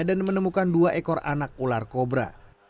dan menemukan dua ekor anak ular kobra